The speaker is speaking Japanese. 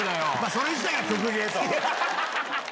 それ自体が曲芸と。